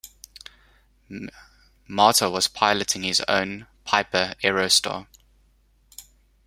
Mata was piloting his own Piper Aerostar.